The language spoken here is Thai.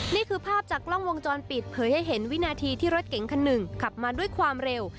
นี่คือภาพจากกล้องวงจรปิดเผยให้เห็นวินาทีที่รถเก๋งคันหนึ่งขับมาด้วยความเร็ว